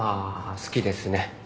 好きです。